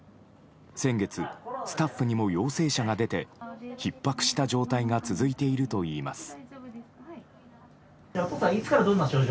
先月、スタッフにも陽性者が出てひっ迫した状態が続いているといいます。